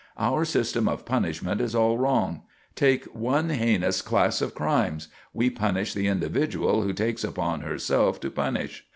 Our system of punishment is all wrong. Take one heinous class of crimes; we punish the individual who takes upon herself to punish.